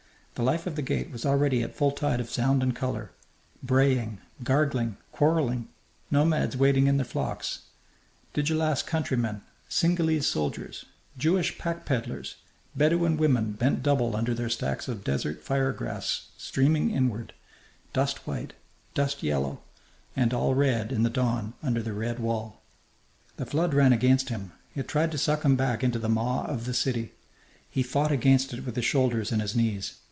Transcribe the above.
The life of the gate was already at full tide of sound and colour, braying, gargling, quarrelling nomads wading in their flocks, Djlass countrymen, Singalese soldiers, Jewish pack peddlers, Bedouin women bent double under their stacks of desert fire grass streaming inward, dust white, dust yellow, and all red in the dawn under the red wall. The flood ran against him. It tried to suck him back into the maw of the city. He fought against it with his shoulders and his knees.